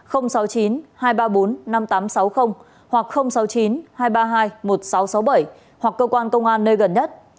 hoặc sáu mươi chín hai trăm ba mươi hai một nghìn sáu trăm sáu mươi bảy hoặc cơ quan công an nơi gần nhất